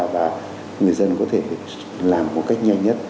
và người dân có thể làm một cách nhanh nhất